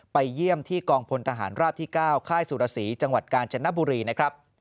ไปเยี่ยมที่กองพลทหารราบที่๙ค่ายสุรศรีจังหวัดกาญจนบุรีนะครับ